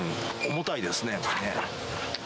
重たいですね。